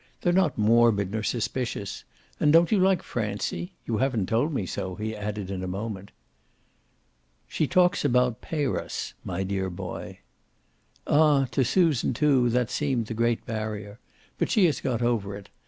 They're not morbid nor suspicious. And don't you like Francie? You haven't told me so," he added in a moment. "She talks about 'Parus,' my dear boy." "Ah to Susan too that seemed the great barrier. But she has got over it.